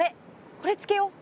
これつけよう。